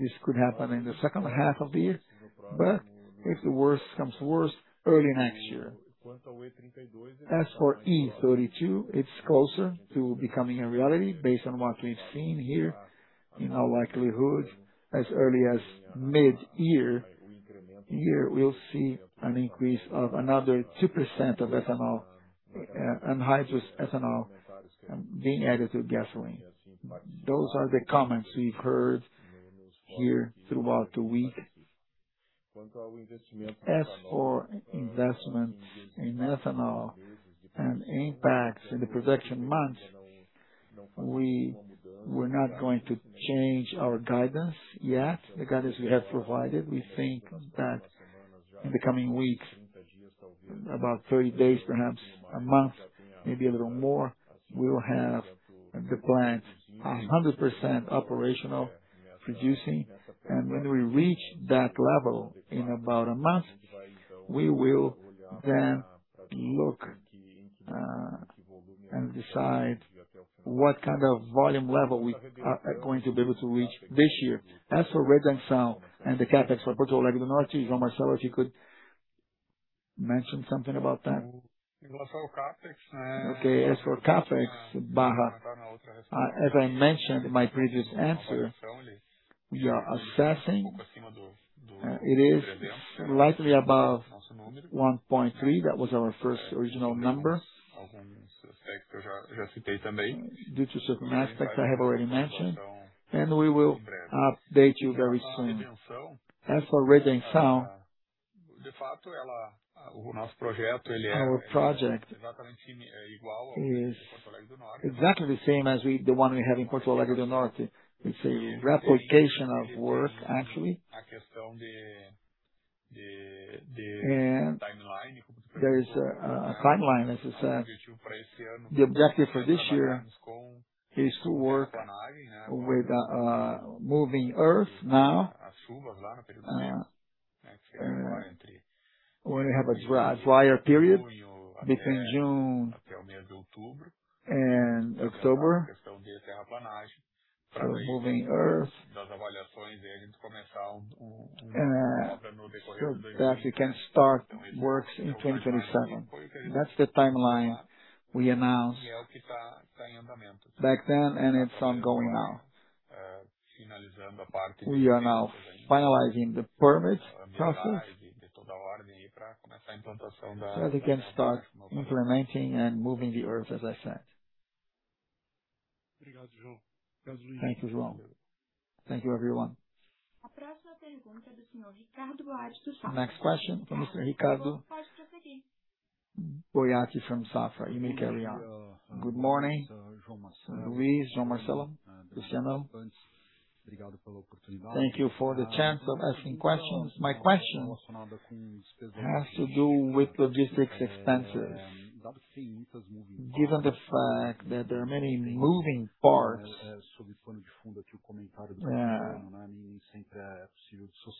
this could happen in the second half of the year, but if the worst comes to worst, early next year. As for E32, it's closer to becoming a reality based on what we've seen here. In all likelihood, as early as mid-year, here we'll see an increase of another 2% of ethanol, anhydrous ethanol, being added to gasoline. Those are the comments we've heard here throughout the week. As for investment in ethanol and impacts in the production months, we're not going to change our guidance yet, the guidance we have provided. We think that in the coming weeks, about 30 days, perhaps a month, maybe a little more, we will have the plant 100% operational, producing. When we reach that level in about a month, we will then look and decide what kind of volume level we are going to be able to reach this year. As for Redenção and the CapEx for Porto Alegre do Norte, João Marcelo, if you could mention something about that. Okay. As for CapEx, Barra, as I mentioned in my previous answer, we are assessing. It is likely above 1.3. That was our first original number. Due to certain aspects I have already mentioned, we will update you very soon. As for Redenção, our project is exactly the same as the one we have in Porto Alegre do Norte. There is a timeline, as I said. The objective for this year is to work with moving earth now. We only have a drier period between June and October for moving earth. That we can start works in 2027. That's the timeline we announced back then, and it's ongoing now. We are now finalizing the permit process so we can start implementing and moving the earth, as I said. Thank you, João. Thank you, everyone. Next question from Mr. Ricardo Boiati from Safra. You may carry on. Good morning, Luiz, Marcelo, Cristiano. Thank you for the chance of asking questions. My question has to do with logistics expenses. Given the fact that there are many moving parts,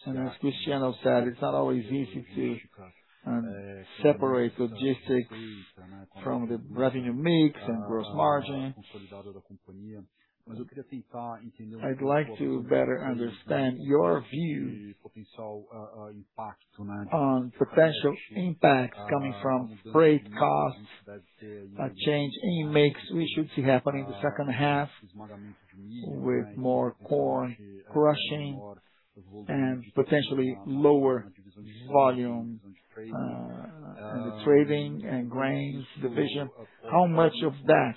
and as Cristiano said, it's not always easy to separate logistics from the revenue mix and gross margin. I'd like to better understand your view on potential impacts coming from freight costs, a change in mix we should see happen in the second half with more corn crushing and potentially lower volume in the trading and grains division. How much of that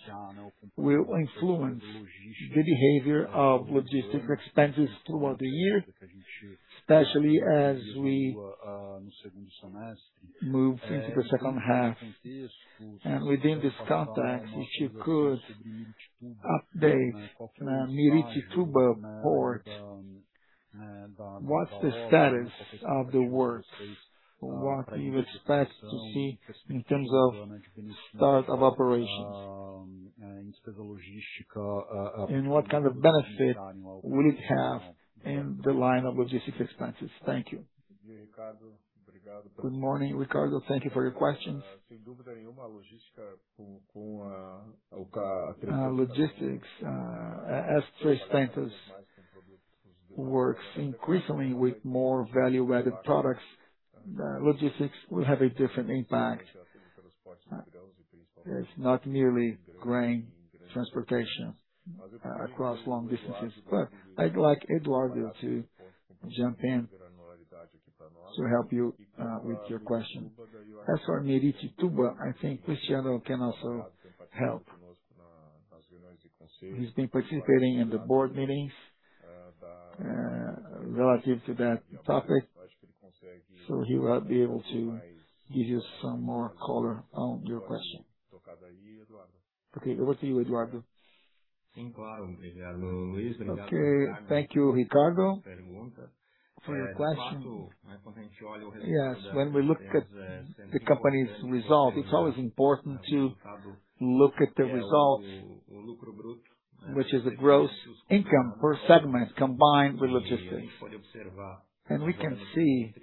will influence the behavior of logistics expenses throughout the year, especially as we move into the second half? Within this context, if you could update Miritituba port, what's the status of the works? What do you expect to see in terms of start of operations? What kind of benefit will it have in the line of logistics expenses? Thank you. Good morning, Ricardo. Thank you for your questions. Logistics, as 3tentos works increasingly with more value-added products, the logistics will have a different impact. It's not merely grain transportation across long distances. I'd like Eduardo to jump in to help you with your question. As for Miritituba, I think Cristiano can also help. He's been participating in the board meetings. Relative to that topic, he will be able to give you some more color on your question. Okay, over to you, Eduardo. Okay. Thank you, Ricardo, for your question. Yes, when we look at the company's result, it's always important to look at the results, which is a gross income per segment combined with logistics. We can see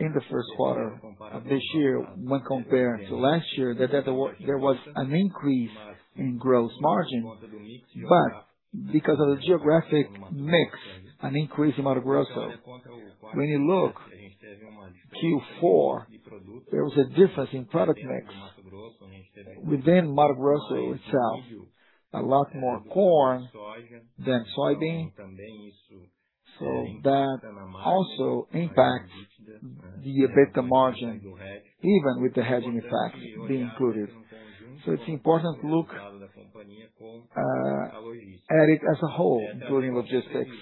in the first quarter of this year when compared to last year that there was an increase in gross margin. Because of the geographic mix, an increase in Mato Grosso. When you look Q4, there was a difference in product mix within Mato Grosso itself, a lot more corn than soybean. That also impacts the EBITDA margin, even with the hedging effects being included. It's important look, at it as a whole, including logistics.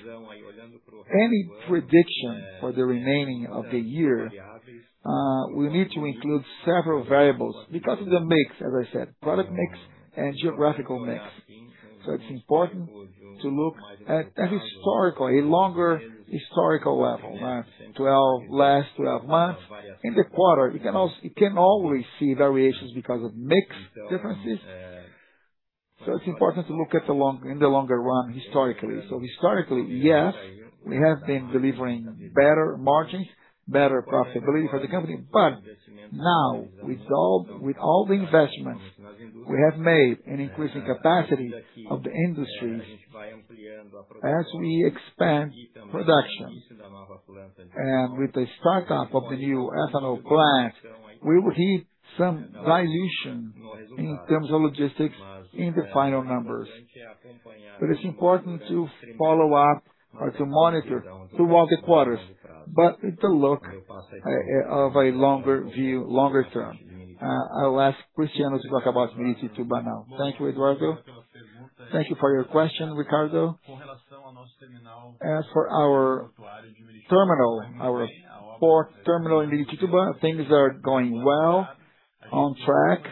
Any prediction for the remaining of the year, we need to include several variables because of the mix, as I said, product mix and geographical mix. It's important to look at historical, a longer historical level, last twelve months. In the quarter, you can always see variations because of mix differences. It's important to look at the long, in the longer run historically. Historically, yes, we have been delivering better margins, better profitability for the company. Now with all, with all the investments we have made in increasing capacity of the industry as we expand production, and with the start up of the new ethanol plant, we will hit some dilution in terms of logistics in the final numbers. It's important to follow up or to monitor throughout the quarters. With a look of a longer view, longer term, I will ask Cristiano to talk about Miritituba now. Thank you, Eduardo. Thank you for your question, Ricardo. As for our terminal, our port terminal in Miritituba, things are going well, on track.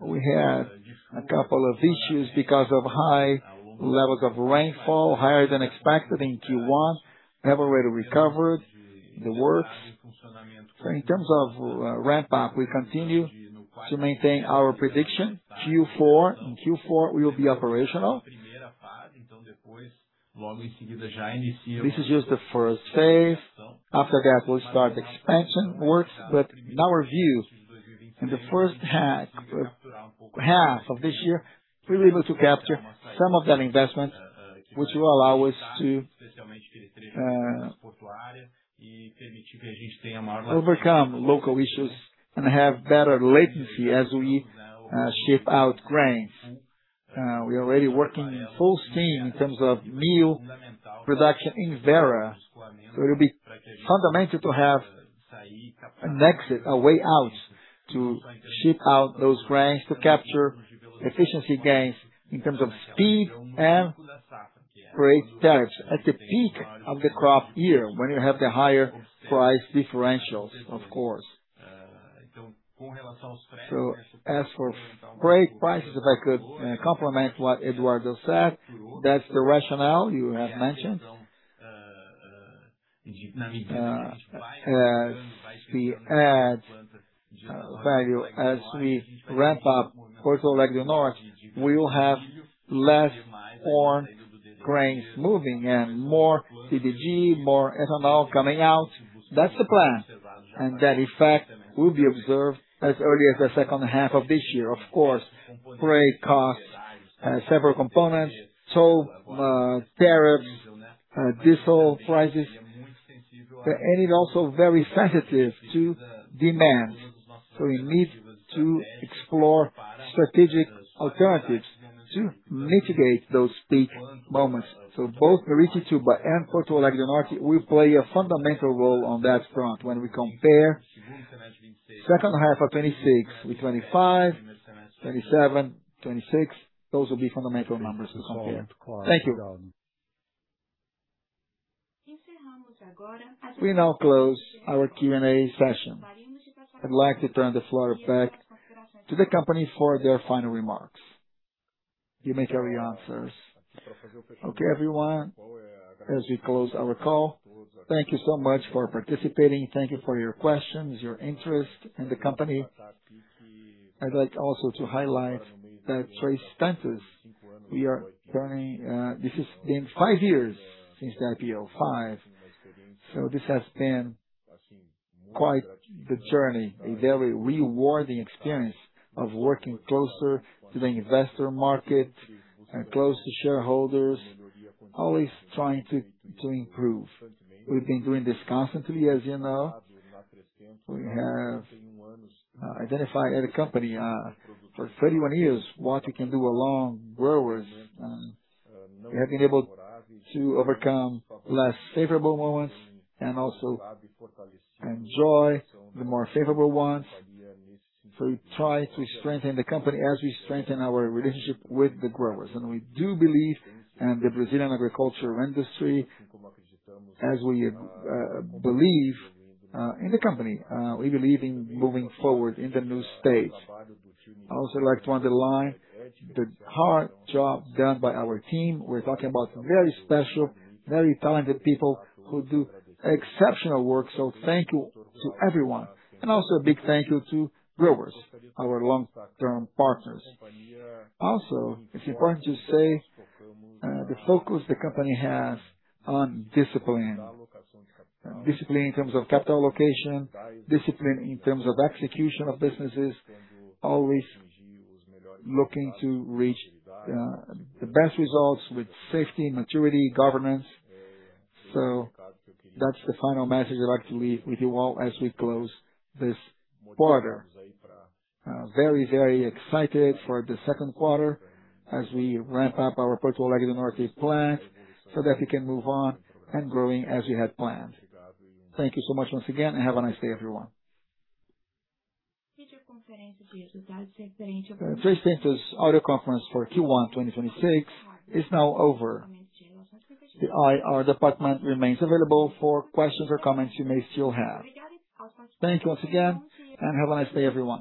We had a couple of issues because of high levels of rainfall, higher than expected in Q1. We have already recovered the works. In terms of ramp up, we continue to maintain our prediction. In Q4, we will be operational. This is just the first phase. After that, we'll start the expansion works. In our view, in the first half of this year, we're able to capture some of that investment, which will allow us to overcome local issues and have better latency as we ship out grains. We're already working in full steam in terms of meal production in Vera. It'll be fundamental to have an exit, a way out to ship out those grains to capture efficiency gains in terms of speed and freight tariffs at the peak of the crop year when you have the higher price differentials, of course. As for freight prices, if I could complement what Eduardo said, that's the rationale you have mentioned. As we add value, as we ramp up Porto Alegre do Norte, we will have less on grains moving and more DDG, more ethanol coming out. That's the plan. That effect will be observed as early as the second half of this year. Of course, freight costs, several components, toll, tariffs, diesel prices. It's also very sensitive to demand, so we need to explore strategic alternatives to mitigate those peak moments. Both Miritituba and Porto Alegre do Norte will play a fundamental role on that front when we compare second half of 2026 with 2025, 2027, 2026. Those will be fundamental numbers to compare. Thank you. We now close our Q&A session. I'd like to turn the floor back to the company for their final remarks. You may carry on, sir. Okay, everyone, as we close our call, thank you so much for participating. Thank you for your questions, your interest in the company. I'd like also to highlight that at 3tentos we are turning, this has been five years since the IPO. This has been quite the journey, a very rewarding experience of working closer to the investor market and close to shareholders, always trying to improve. We've been doing this constantly, as you know. We have identified at the company for 31 years what we can do along growers. We have been able to overcome less favorable moments and also enjoy the more favorable ones. We try to strengthen the company as we strengthen our relationship with the growers. We do believe in the Brazilian agriculture industry as we believe in the company. We believe in moving forward in the new stage. I'd also like to underline the hard job done by our team. We're talking about very special, very talented people who do exceptional work. Thank you to everyone and also a big thank you to growers, our long-term partners. Also, it's important to say, the focus the company has on discipline. Discipline in terms of capital allocation, discipline in terms of execution of businesses, always looking to reach, the best results with safety, maturity, governance. That's the final message I'd like to leave with you all as we close this quarter. Very, very excited for the 2nd quarter as we ramp up our Porto Alegre do Norte plant so that we can move on and growing as we had planned. Thank you so much once again, and have a nice day everyone. 3tentos' audio conference for Q1 2026 is now over. The IR department remains available for questions or comments you may still have. Thank you once again, and have a nice day, everyone.